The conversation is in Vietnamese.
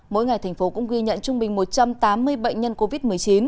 mỗi ngày thành phố cũng ghi nhận trung bình một trăm tám mươi bệnh nhân covid một mươi chín